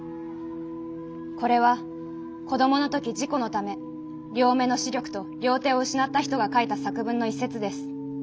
これは子どもの時事故のため両目の視力と両手を失った人が書いた作文の一節です。